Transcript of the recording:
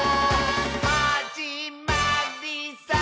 「はじまりさー」